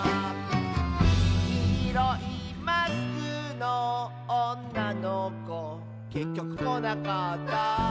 「きいろいマスクのおんなのこ」「けっきょくこなかった」